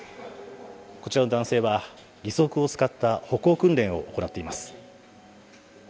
こちらの男性は義足を使った歩行訓練を行っています。